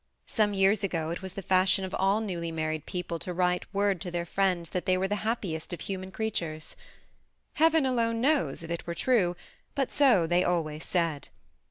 Some years ago it was the fashion of all newly married people to write word to their friends thftt they were the happiest of human creatares. Heaven alone knows if it were true, but so they always said.